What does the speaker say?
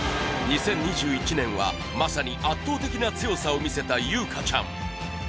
２０２１年はまさに圧倒的な強さを見せた有香ちゃん。